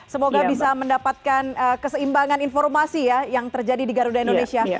semoga bisa mendapatkan keseimbangan informasi ya yang terjadi di garuda indonesia